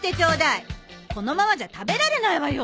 このままじゃ食べられないわよ。